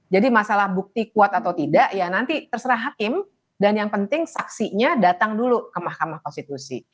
jadi masalah bukti kuat atau tidak ya nanti terserah hakim dan yang penting saksinya datang dulu ke mahkamah konstitusi